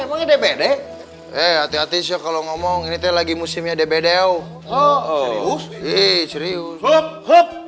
tapi dpd eh hati hati siok kalau ngomong ini lagi musimnya dpd oh oh eh serius hop hop